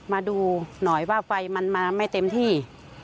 มาดูหน่อยว่าไฟมันมาไม่เต็มที่